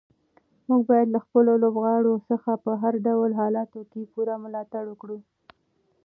موږ باید له خپلو لوبغاړو څخه په هر ډول حالاتو کې پوره ملاتړ وکړو.